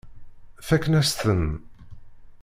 Fakken-as-ten.